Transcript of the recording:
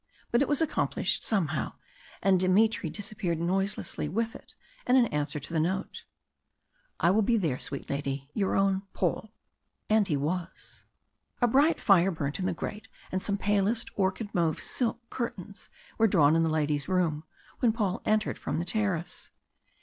But it was accomplished somehow and Dmitry disappeared noiselessly with it and an answer to the note: "I will be there, sweet lady. "Your own PAUL." And he was. A bright fire burnt in the grate, and some palest orchid mauve silk curtains were drawn in the lady's room when Paul entered from the terrace.